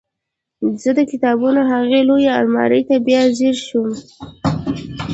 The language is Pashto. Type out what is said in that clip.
زه د کتابونو هغې لویې المارۍ ته بیا ځیر شوم